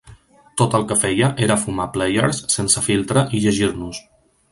Tot el que feia era fumar Player's sense filtre i llegir-nos.